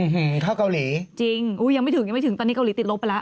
เฮ่อเข้าเกาหลีจริงยังไม่ถึงตอนนี้เกาหลีติดลบไปแล้ว